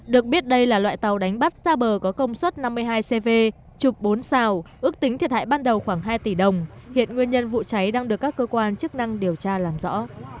được biết đây là loại tàu đánh bắt ra bờ có công suất năm mươi hai cv chục bốn sao ước tính thiệt hại ban đầu khoảng hai tỷ đồng hiện nguyên nhân vụ cháy đang được các cơ quan chức năng điều tra làm rõ